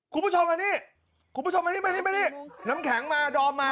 คุณผู้ชมอันนี้น้ำแข็งมาดอมมา